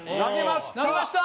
投げました！